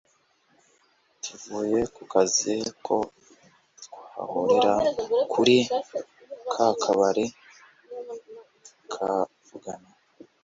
tuvuye kukazi ko twahurira kuri kakabari tukavugana